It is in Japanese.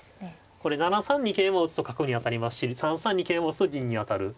これ７三に桂馬を打つと角に当たりますし３三に桂馬打つと銀に当たる。